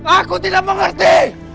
aku tidak mengerti